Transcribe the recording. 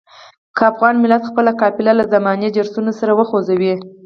که افغان ملت خپله قافله له زماني جرسونو سره وخوځوي.